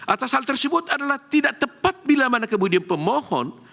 atas hal tersebut adalah tidak tepat bila mana kemudian pemohon